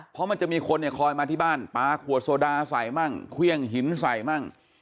เพราะมันจะมีคนเนี่ยคอยมาที่บ้านปลาขวดโซดาใส่มั่งเครื่องหินใส่มั่ง